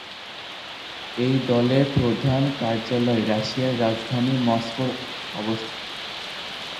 এই দলের প্রধান কার্যালয় রাশিয়ার রাজধানী মস্কোয় অবস্থিত।